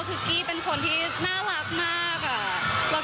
คือกี้เป็นคนที่น่ารักมากเป็นคนอธิษภายดีมาก